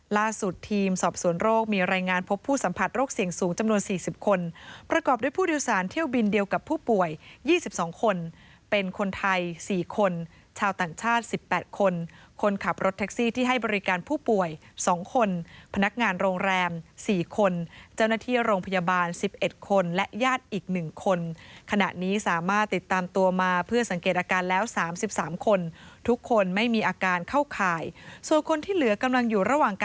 ล่าสุดทีมสอบส่วนโรคมีรายงานพบผู้สัมผัสโรคเสี่ยงสูงจำนวน๔๐คนประกอบด้วยผู้เดียวสารเที่ยวบินเดียวกับผู้ป่วย๒๒คนเป็นคนไทย๔คนชาวต่างชาติ๑๘คนคนขับรถแท็กซี่ที่ให้บริการผู้ป่วย๒คนพนักงานโรงแรม๔คนเจ้าหน้าที่โรงพยาบาล๑๑คนและญาติอีก๑คนขณะนี้สามารถติดตามตัวมาเพื่อสังเกตอาก